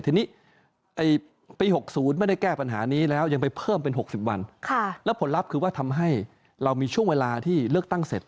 ทีนี้ปี๖๐ไม่ได้แก้ปัญหานี้แล้วยังไปเพิ่มเป็น๖๐วันแล้วผลลัพธ์คือว่าทำให้เรามีช่วงเวลาที่เลือกตั้งเสร็จ